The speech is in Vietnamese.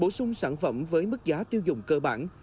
bổ sung sản phẩm với mức giá tiêu dùng cơ bản